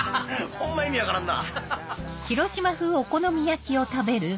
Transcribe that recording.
ホンマ意味分からんな。